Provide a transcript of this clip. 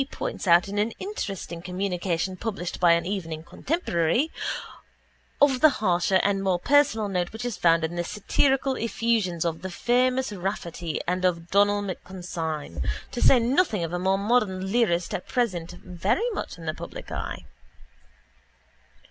points out in an interesting communication published by an evening contemporary) of the harsher and more personal note which is found in the satirical effusions of the famous Raftery and of Donal MacConsidine to say nothing of a more modern lyrist at present very much in the public eye.